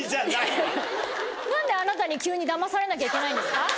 何であなたに急に騙されなきゃいけないんですか？